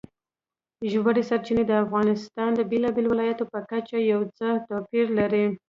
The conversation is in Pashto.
ژورې سرچینې د افغانستان د بېلابېلو ولایاتو په کچه یو څه توپیر لري.